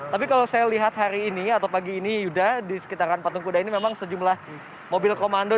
tapi kalau saya lihat hari ini atau pagi ini yuda di sekitaran patung kuda ini memang sejumlah mobil komando